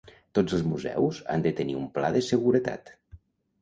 Tots els museus han de tenir un pla de seguretat.